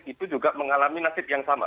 itu juga mengalami nasib yang sama